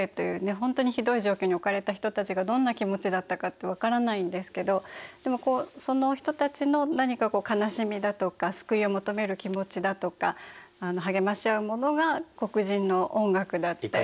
本当にひどい状況に置かれた人たちがどんな気持ちだったかって分からないんですけどでもその人たちの何か悲しみだとか救いを求める気持ちだとか励まし合うものが黒人の音楽だったり。